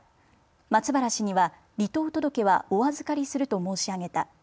松原氏には離党届はお預かりすると申し上げた。